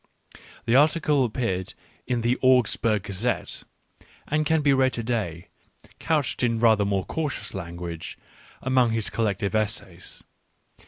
The article appeared in the Augs burg Gazette^ and it can be read to day, couched in rather more cautious language, among his collected essays.